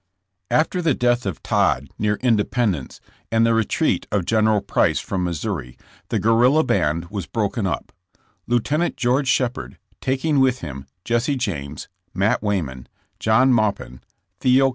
/k FTER the death of Todd, near Independence, ^^^1 and the retreat of General Price from Mis gBifel souri, the guerrilla band was broken up. Lieut. George Shepherd, taking with him Jesse James, Matt Wayman, John Maupin, Theo.